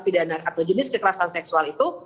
pidana atau jenis kekerasan seksual itu